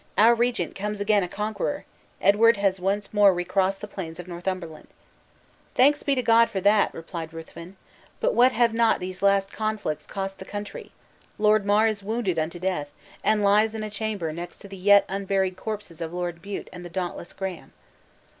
our regent comes again a conqueror! Edward has once more recrossed the plains of Northumberland!" "Thanks be to God for that!" replied Ruthven! "but what have not these last conflicts cost the country! Lord Mar is wounded unto death, and lies in a chamber next to the yet unburied corpses of Lord Bute and the dauntless Graham."